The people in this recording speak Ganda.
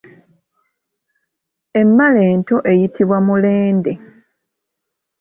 Emmale ento eyitibwa Mulende.